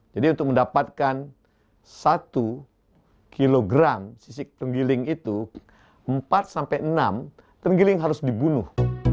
jadi untuk mendapatkan satu kilogram sisik tenggiling itu empat sampai enam tenggiling harus dibunuh